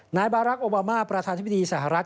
นายบารักษ์โอบามาประธานธิบดีสหรัฐ